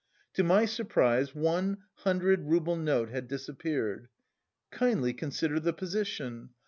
To my surprise one hundred rouble note had disappeared. Kindly consider the position.